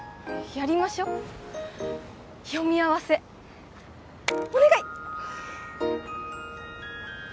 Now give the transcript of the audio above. やりましょう読み合わせお願い！